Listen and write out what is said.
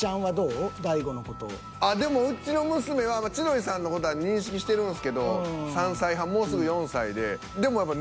でもうちの娘は千鳥さんの事は認識してるんすけど３歳半もうすぐ４歳で。